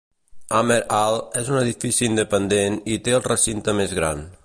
Hamer Hall és un edifici independent i té el recinte més gran.